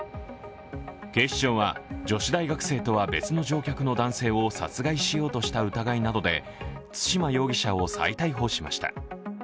警視庁は、女子大学生とは別の乗客の男性を殺害しようとした疑いなどで対馬容疑者を再逮捕しました。